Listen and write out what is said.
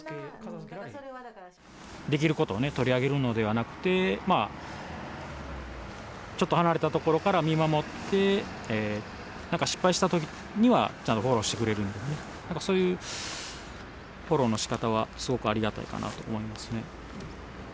できることをね、取り上げるのではなくて、ちょっと離れたところから見守って、なんか失敗したときにはちゃんとフォローしてくれるんでね、なんかそういうフォローのしかたは、すごくありがたいかなと思いますね。